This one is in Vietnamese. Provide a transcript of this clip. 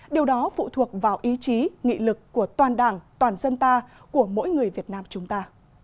điều đó phụ thuộc vào ý chí nghị lực của toàn đảng toàn dân ta của mỗi người việt nam chúng ta